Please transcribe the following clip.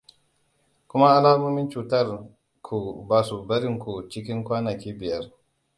kuma alamomin cutar ku ba su barin ku cikin kwanaki biyar